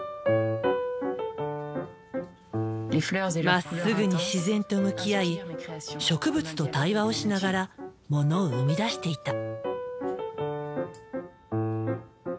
まっすぐに自然と向き合い植物と対話をしながらものを生み出していた。